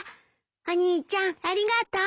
お兄ちゃんありがとう。